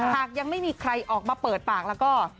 หากยังไม่มีใครออกมาเปิดปากแล้วก็